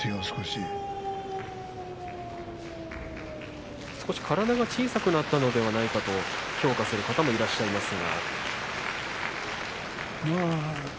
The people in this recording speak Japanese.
少し体が小さくなったのではないかと評価する方もいらっしゃいましたが。